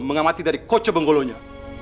mengamati dari koce benggolonya